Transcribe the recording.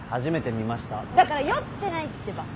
だから酔ってないってば。